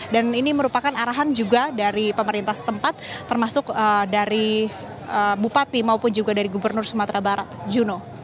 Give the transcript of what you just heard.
dan ini merupakan arahan juga dari pemerintah setempat termasuk dari bupati maupun juga dari gubernur sumatera barat juno